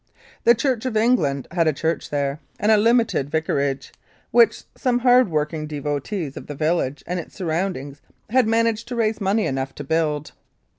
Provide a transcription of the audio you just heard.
The Church of England had a church there, and a limited vicarage, which some hard working devotees of the village and its surroundings had managed to raise money enough to build.